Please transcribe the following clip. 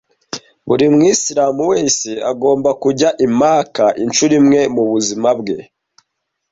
Buri Mwisilamu wese agomba kujya i Maka incuro imwe mu buzima bwe